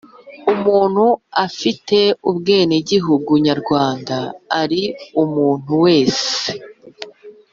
umuntu afite ubwenegihugu Nyarwanda ari umuntu wese